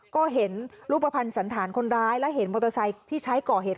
ก็เห็นรูปภัณฑ์สันธารคนร้ายและเห็นมอเตอร์ไซค์ที่ใช้ก่อเหตุ